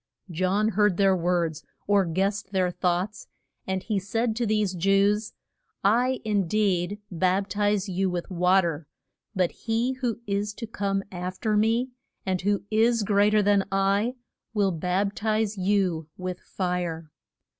John heard their words, or guessed their thoughts, and he said to these Jews, I in deed bap tize you with wa ter, but he who is to come af fer me, and who is great er than I, will bap tize you with fire.